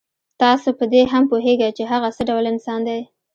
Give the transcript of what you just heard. تاسو په دې هم پوهېږئ چې هغه څه ډول انسان دی.